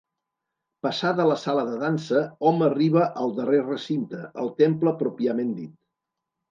Passada la sala de Dansa, hom arriba al darrer recinte, el temple pròpiament dit.